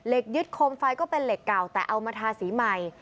ยึดโคมไฟก็เป็นเหล็กเก่าแต่เอามาทาสีใหม่